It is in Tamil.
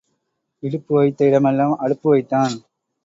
இடுப்பு வைத்த இடமெல்லாம் அடுப்பு வைத்தான்.